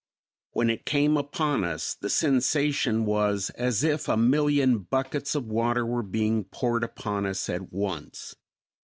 When it came upon us the sensation was as if a million buckets of water were being poured upon us at once.